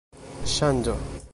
ŝanĝo